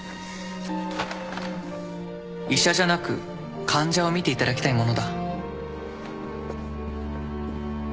医者じゃなく患者を見ていただきたいものだ。